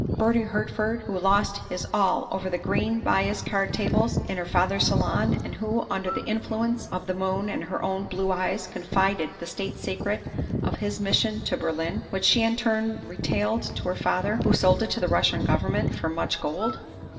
Bertie Hertford, who lost his all over the green baize card tables in her father's salon and who, under the in fluence of the moon and her own blue eyes, confided the state secret of his mission to Berlin, which she in turn retailed to her father, who sold it to the Russian Gov ernment for much gold?